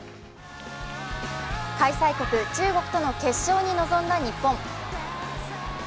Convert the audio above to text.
開催国・中国との決勝に臨んだ日本。